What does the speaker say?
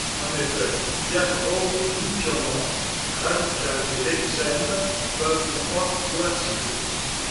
En effet, diachroniquement, radical et lexème peuvent ne pas coïncider.